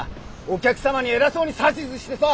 お客様に偉そうに指図してさ。